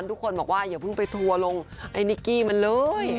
ทุกคนบอกว่าอย่าเพิ่งไปทัวร์ลงไอ้นิกกี้มันเลย